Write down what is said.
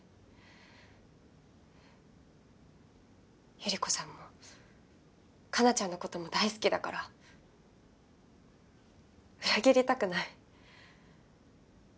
ゆり子さんも花奈ちゃんの事も大好きだから裏切りたくない。